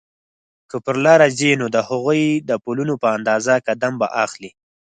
که پر لاره ځې نو د هغوی د پلونو په اندازه قدم به اخلې.